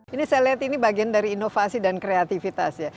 ini saya lihat ini bagian dari inovasi dan kreativitas ya